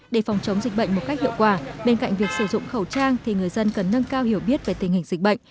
để phòng chống dịch bệnh một cách hiệu quả bên cạnh việc sử dụng khẩu trang thì người dân cần nâng cao hiểu biết về tình hình dịch bệnh